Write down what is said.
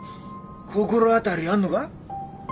心当たりあんのか？